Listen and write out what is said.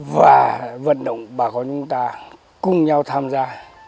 và vận động bà con chúng ta cùng nhau tham gia